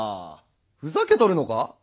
ふざけとるのか？